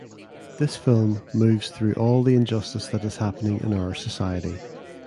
This film moves through all the injustice that is happening in our society.